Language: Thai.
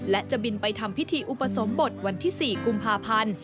และจะบินไปทำพิธีอุปสมบทวันที่๔กุมภาพันธ์